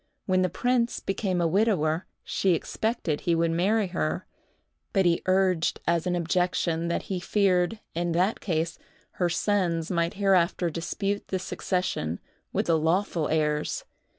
When the prince became a widower, she expected he would marry her; but he urged as an objection that he feared, in that case, her sons might hereafter dispute the succession with the lawful heirs.